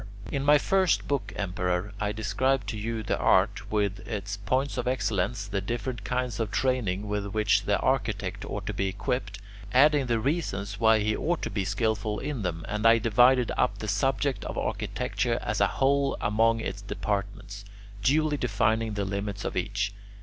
In my first book, Emperor, I described to you the art, with its points of excellence, the different kinds of training with which the architect ought to be equipped, adding the reasons why he ought to be skilful in them, and I divided up the subject of architecture as a whole among its departments, duly defining the limits of each.